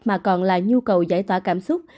mà còn là nhu cầu giải tỏa cảm xúc